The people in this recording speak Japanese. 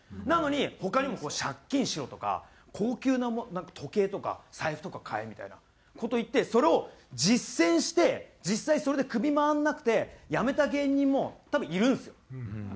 なのに他にも借金しろとか高級なもの時計とか財布とか買えみたいな事を言ってそれを実践して実際それで首回らなくてやめた芸人も多分いるんですよ。